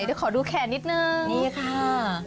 หน่อยขอดูแขนนิดหนึ่งนี่ค่ะอันนี้หยับก้านมากเลยนะคะ